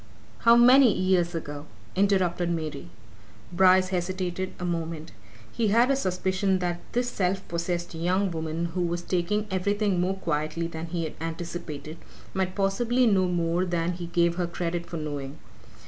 "How many years ago?" interrupted Mary. Bryce hesitated a moment. He had a suspicion that this self possessed young woman who was taking everything more quietly than he had anticipated, might possibly know more than he gave her credit for knowing.